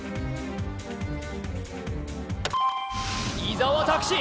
伊沢拓司